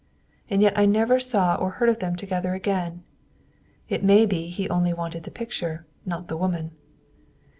And yet I never saw or heard of them together again. It may be he only wanted the picture, not the woman!"